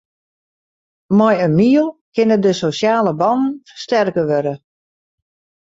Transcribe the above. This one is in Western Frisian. Mei in miel kinne de sosjale bannen fersterke wurde.